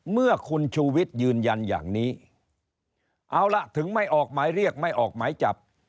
เมื่อคุณชูวิทย์ยืนยันอย่างนี้เอาล่ะถึงไม่ออกหมายเรียกไม่ออกหมายจับ